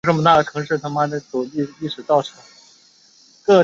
维京船制造的材料主要取自高大笔直的橡树。